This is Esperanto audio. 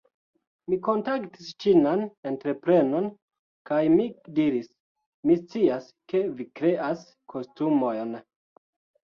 - mi kontaktis ĉinan entreprenon kaj mi diris, "Mi scias, ke vi kreas kostumojn.